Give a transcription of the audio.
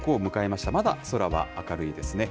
まだ空は明るいですね。